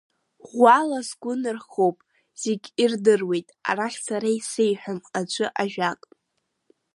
Ӷәӷәала сгәы нырхоуп, зегьы ирдыруеит, арахь сара исеиҳәом аӡәы ажәак!